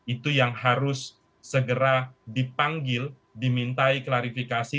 itu yang harus segera dipanggil dimintai klarifikasi